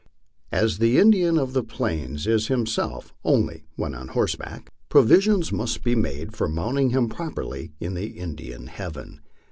As the Indian of the Plains is himself only when on horseback, provision must be made for mount iHg him properly in the Indian heaven.